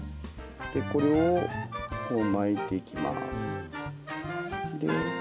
これをこう巻いていきます。